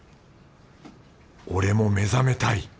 俺も目覚めたい